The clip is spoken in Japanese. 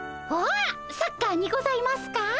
おおサッカーにございますか。